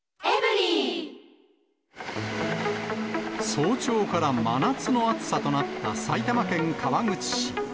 早朝から真夏の暑さとなった埼玉県川口市。